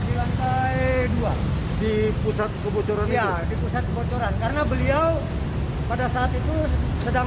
di lantai dua di pusat kebocorannya di pusat kebocoran karena beliau pada saat itu sedang